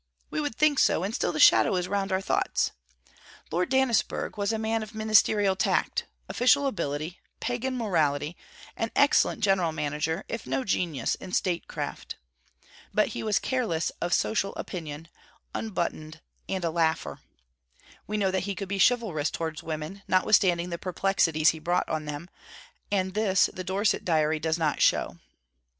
We would think so, and still the shadow is round our thoughts. Lord Dannisburgh was a man of ministerial tact, official ability, Pagan morality; an excellent general manager, if no genius in statecraft. But he was careless of social opinion, unbuttoned, and a laugher. We know that he could be chivalrous toward women, notwithstanding the perplexities he brought on them, and this the Dorset Diary does not show.